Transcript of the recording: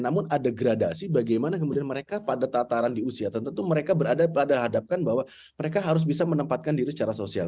namun ada gradasi bagaimana kemudian mereka pada tataran di usia tentu mereka berada pada hadapkan bahwa mereka harus bisa menempatkan diri secara sosial